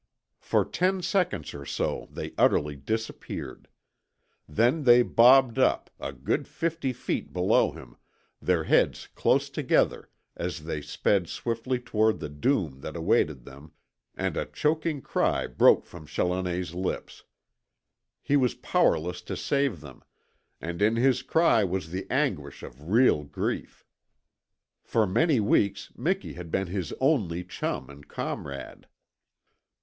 For ten seconds or so they utterly disappeared. Then they bobbed up, a good fifty feet below him, their heads close together as they sped swiftly toward the doom that awaited them, and a choking cry broke from Challoner's lips. He was powerless to save them, and in his cry was the anguish of real grief. For many weeks Miki had been his only chum and comrade.